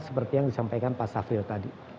seperti yang disampaikan pak safril tadi